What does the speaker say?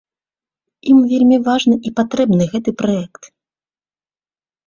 Ім вельмі важны і патрэбны гэты праект.